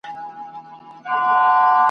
زخمي غیرت به مي طبیبه درمل څنګه مني !.